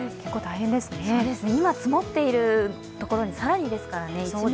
今積もっているところの更にですからね